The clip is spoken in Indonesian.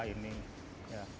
jadi penata suara ini